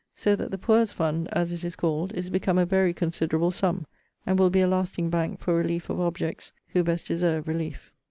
So that the poor's fund, as it is called, is become a very considerable sum: and will be a lasting bank for relief of objects who best deserve relief.